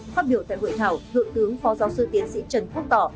phát biểu tại hội thảo thượng tướng phó giáo sư tiến sĩ trần quốc tỏ